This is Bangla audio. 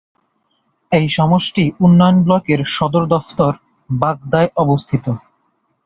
এই সমষ্টি উন্নয়ন ব্লকের সদর দফতর বাগদায় অবস্থিত।